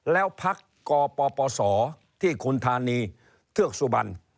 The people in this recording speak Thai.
แล้วพักกปศที่คุณธานีเทือกสุบัน